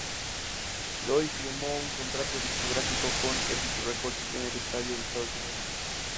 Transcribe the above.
Lloyd firmó un contrato discográfico con Epic Records en los Estados Unidos.